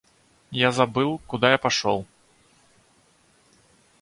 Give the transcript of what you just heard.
Я забыл, куда я пошел!